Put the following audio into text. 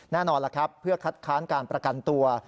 แน่นอนล่ะครับเพื่อคัดค้านการประกันตัว